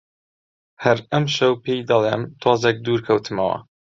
هەر ئەمشەو پێی دەڵێم، تۆزێک دوور کەوتمەوە